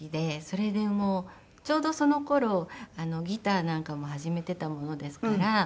それでちょうどその頃ギターなんかも始めていたものですから。